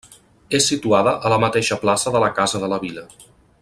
És situada a la mateixa plaça de la Casa de la Vila.